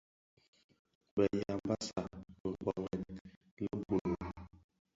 Bë Yambassa nkpoňèn le (Gunu),